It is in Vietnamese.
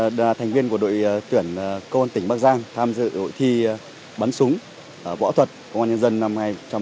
các thành viên của đội tuyển công an tỉnh bắc giang tham dự hội thi bắn súng võ thuật công an nhân dân năm hai nghìn một mươi tám